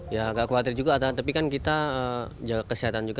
ya agak khawatir juga tapi kan kita jaga kesehatan juga